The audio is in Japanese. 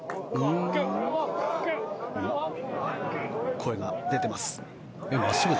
声が出ています。